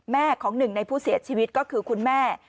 ของหนึ่งในผู้เสียชีวิตก็คือคุณแม่